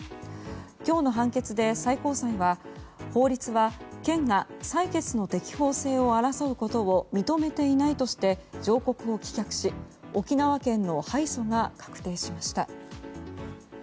今日の判決で最高裁は法律は、県が採決の適法性を争うことを認めていないとして上告を棄却し沖縄県の敗訴が確定しました。